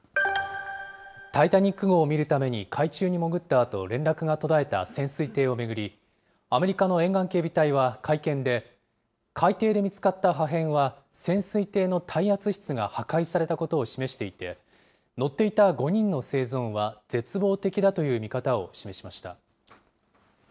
タイタニック号を見るために海中に潜ったあと、連絡が途絶えた潜水艇を巡り、アメリカの沿岸警備隊は会見で、海底で見つかった破片は、潜水艇の耐圧室が破壊されたことを示していて、乗っていた５人の生存は絶望的だという見方を示しました。